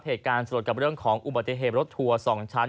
เหตุการณ์สลดกับเรื่องของอุบัติเหตุรถทัวร์๒ชั้น